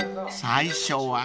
最初は？］